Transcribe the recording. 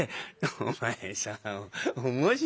「お前さん面白いね。